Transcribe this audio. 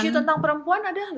isu isu tentang perempuan ada gak